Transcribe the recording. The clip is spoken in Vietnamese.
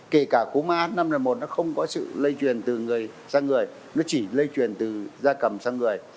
kể cả cúm ah năm n một nó không có sự lây truyền từ người sang người nó chỉ lây truyền từ da cầm sang người